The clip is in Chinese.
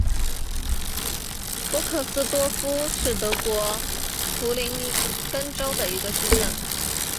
波克斯多夫是德国图林根州的一个市镇。